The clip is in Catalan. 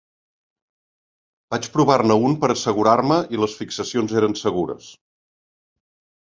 Vaig provar-ne un per assegurar-me i les fixacions eren segures.